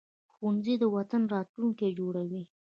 ښوونځی د وطن راتلونکی جوړوي